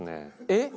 えっ？